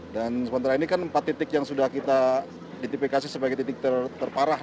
dan sementara ini kan empat titik yang sudah kita identifikasi sebagai titik terparah